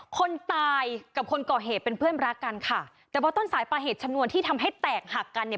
คนตายกับคนก่อเหตุเป็นเพื่อนรักกันค่ะแต่ว่าต้นสายปลาเหตุชนวนที่ทำให้แตกหักกันเนี่ย